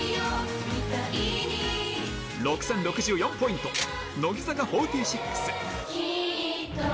６０６４ポイント、乃木坂４６。